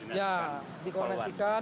ini akan dikoordinasikan